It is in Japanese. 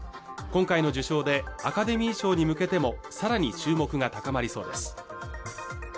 今回の受賞でアカデミー賞に向けてもさらに注目が高まりそうです